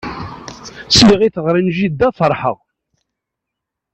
Sliɣ i teɣri n jidda ferḥeɣ.